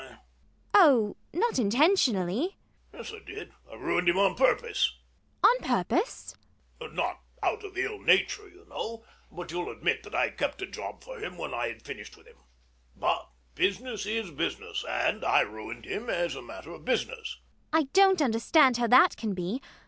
Oh, not intentionally. MANGAN. Yes I did. Ruined him on purpose. ELLIE. On purpose! MANGAN. Not out of ill nature, you know. And you'll admit that I kept a job for him when I had finished with him. But business is business; and I ruined him as a matter of business. ELLIE. I don't understand how that can be.